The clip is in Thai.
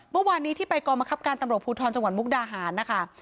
เมื่อวานนี้ที่ไปกรมคับการตำรวจภูทรจังหวัดมุกดาหารนะคะ